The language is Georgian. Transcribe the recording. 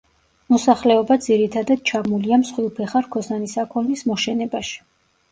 მოსახლეობა ძირითადად ჩაბმულია მსხვილფეხა რქოსანი საქონლის მოშენებაში.